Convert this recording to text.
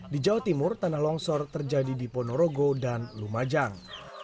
di jawa timur tanah longsor terjadi di ponorogo dan lumajang